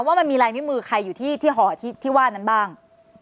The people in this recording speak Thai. ว่ามันมีลายนิ้วมือใครอยู่ที่ห่อที่ว่านั้นบ้าง